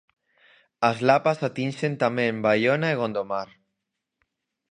As lapas atinxen tamén Baiona e Gondomar.